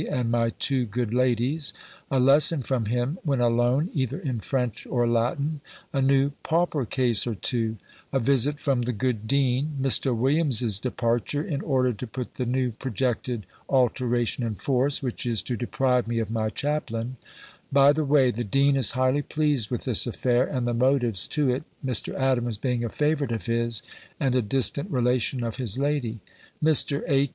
and my two good ladies A lesson from him, when alone, either in French or Latin A new pauper case or two A visit from the good dean Mr. Williams's departure, in order to put the new projected alteration in force, which is to deprive me of my chaplain (By the way, the dean is highly pleased with this affair, and the motives to it, Mr. Adams being a favourite of his, and a distant relation of his lady) Mr. H.'